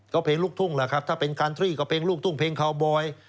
ก็เพลงลูกทุ่งแหละครับถ้าเป็นคันทรี่ก็เพลงลูกทุ่งเพลงคาวบอย